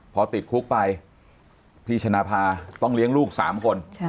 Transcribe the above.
พอติดคุกไปพี่ชนะภาต้องเลี้ยงลูก๓คน